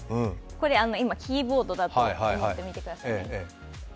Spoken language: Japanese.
これ、今、キーボードだと思って見てください。